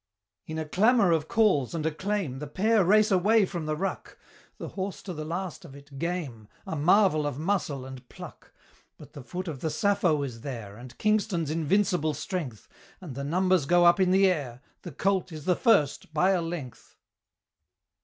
In a clamour of calls and acclaim The pair race away from the ruck: The horse to the last of it game A marvel of muscle and pluck! But the foot of the Sappho is there, And Kingston's invincible strength; And the numbers go up in the air The colt is the first by a length!